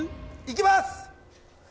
いきます！